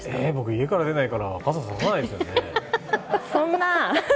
家から出ないから傘ささないんですよね。